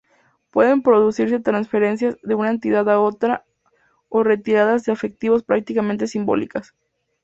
Pueden producirse transferencias de una entidad a otra o retiradas de efectivos prácticamente simbólicas.